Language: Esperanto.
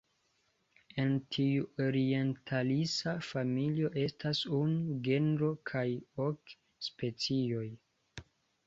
En tiu orientalisa familio estas unu genro kaj ok specioj.